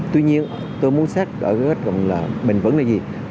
tuy nhiên tôi muốn xét ở kết cận là bình vẩn là gì